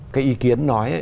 cái ý kiến nói